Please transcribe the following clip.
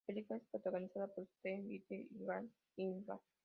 La película es protagonizada por Steve Guttenberg y Kathleen Quinlan.